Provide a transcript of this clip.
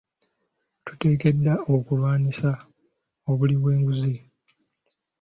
Tuteekeddwa okulwanisa obuli bw'enguzi.